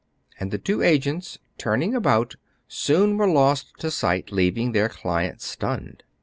And the two agents, turning about, soon were lost to sight, leaving their client stunned.